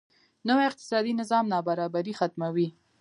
نوی اقتصادي نظام نابرابري ختموي.